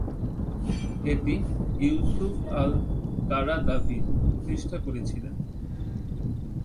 এটি Yusuf al Qaradawi প্রতিষ্ঠা করেছিলেন।